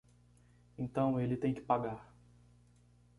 Então ele tem que pagar